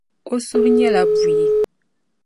O suhu nyɛla buyi.